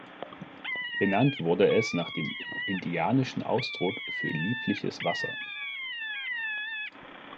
Benannt wurde es nach dem indianischen Ausdruck für "liebliches Wasser".